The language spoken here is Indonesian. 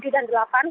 tujuh dan delapan